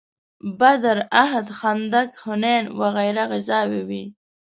بدر، احد، خندق، حنین وغیره غزاوې وې.